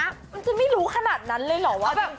มันจะไม่รู้ขนาดนั้นเลยเหรอว่าแบบ